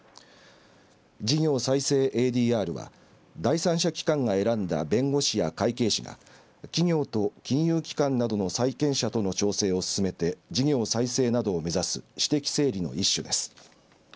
事業再生ＡＤＲは第三者機関が選んだ弁護士や会計士が企業と金融機関などの債権者との調整を進めて事業再生などを目指す私的整理の一種です。